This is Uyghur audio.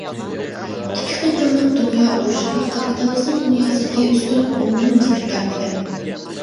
ئىككى قېتىملىق دۇنيا ئۇرۇشىدا كاپىتالىزم دۇنياسىدىكى ئۈستۈنلۈك ئورنىنى مۇستەھكەملىگەن.